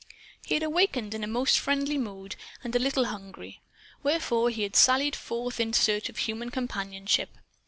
He had awakened in a most friendly mood, and a little hungry. Wherefore he had sallied forth in search of human companionship.